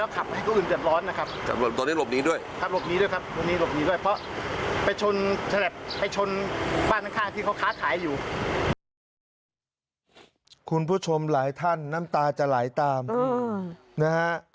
คุณผู้ชมหลายท่านน้ำตาจะไหลตามนะฮะ